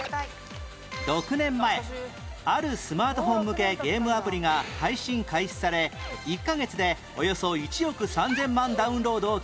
６年前あるスマートフォン向けゲームアプリが配信開始され１カ月でおよそ１億３０００万ダウンロードを記録